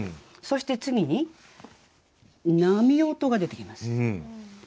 そして次に「波音」が出てきます。